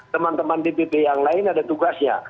teman teman dpp yang lain ada tugasnya